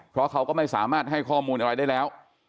เพราะเขาก็ไม่สามารถให้ข้อมูลอะไรได้แล้ว